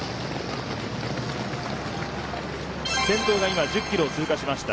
先頭が１０キロを通過しました。